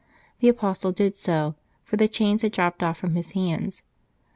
The apostle did so, for the chains had dropped off from his hands.